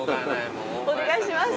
お願いします。